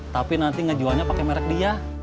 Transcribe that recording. tapi nanti ngejualnya pakai merek dia